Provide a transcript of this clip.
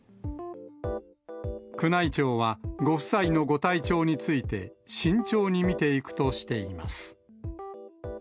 宮内庁は、ご夫妻のご体調について、慎重に見ていくとしています。